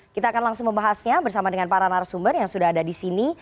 kita akan langsung membahasnya bersama dengan para narasumber yang sudah ada di sini